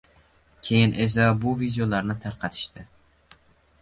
Keyin esa bu videolarni tarqatishdi.